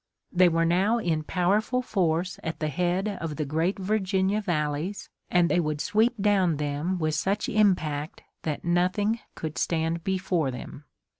They were now in powerful force at the head of the great Virginia valleys, and they would sweep down them with such impact that nothing could stand before them.